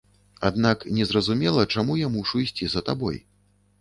Аднак незразумела, чаму я мушу ісці за табой.